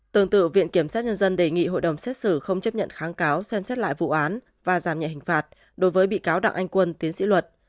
tương tự viện kiểm sát nhân dân đề nghị hội đồng xét xử không chấp nhận kháng cáo xem xét lại vụ án và giảm nhẹ hình phạt đối với bị cáo đặng anh quân tiến sĩ luật